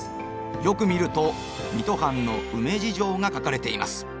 よく見ると水戸藩のウメ事情が書かれています。